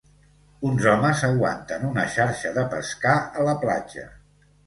Uns homes aguanten una xarxa de pescar a la platja.